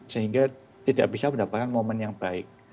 sehingga tidak bisa mendapatkan momen yang baik